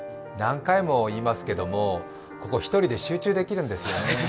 何回も言いますけれども、ここ１人で集中できるんですよね。